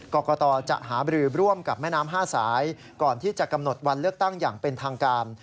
กรกตจะหาบรือร่วมกับแม่น้ำ๕สายก่อนที่จะกำหนดวันเลือกตั้งอย่างเป็นทางการ